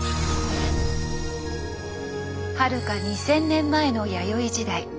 はるか２，０００年前の弥生時代。